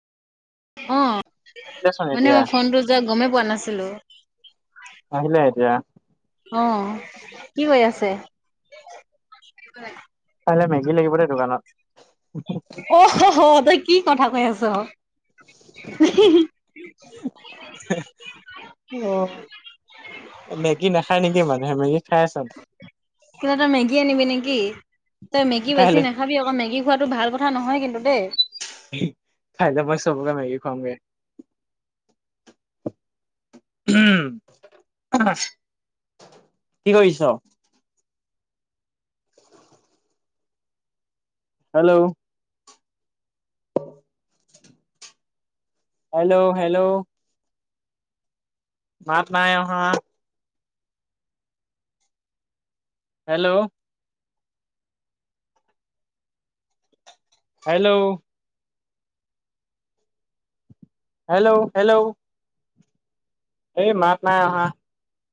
অ আহিলেচোন মানে এতিয়া মই ফোনটো যে গমেই পোৱা নাছিলোঁ। আহিলা এতিয়া। অ কি কৰি আছে। কাইলৈ মেগী লাগিব দেই দোকানত। অ হ হ অ তই কি কথা কৈ আছ ই হি হি। এ হে এ অ। [unintelligible] মেগী নাখায় নেকি মানুহে মেগী খাই চোন। কিবা এটা মেগী আনিব। মেগী তই মেগী বেছি কাইলে নাখাবি আকৌ মেগী খোৱাটো ভাল কথা নহয় কিন্তু দেই। কাইলে মই ‌চবকে মিগী খোৱামগে। উম [unintelligible] কি কৰিছ। হেল্ল'। Hello hello. মাত নাই আহা। হেল্ল'। হেল্ল' হেল্ল'-হেল্ল' এই মাত নাই আহা